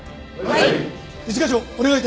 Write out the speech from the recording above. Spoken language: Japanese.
はい。